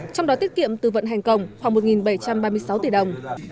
trong đó tiết kiệm tư vận hành công khoảng một bảy trăm ba mươi sáu tỷ đồng